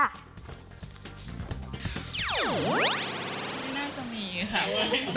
น่าจะมีค่ะ